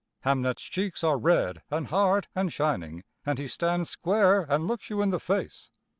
Hamnet's cheeks are red and hard and shining, and he stands square and looks you in the face.